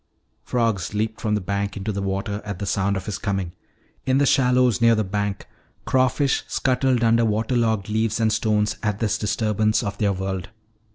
Frogs leaped from the bank into the water at the sound of his coming. In the shallows near the bank, crawfish scuttled under water logged leaves and stones at this disturbance of their world.